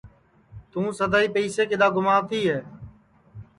توں سدائیں پئسے کِدؔا گُماتی ہے